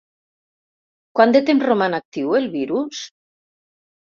Quant de temps roman actiu el virus?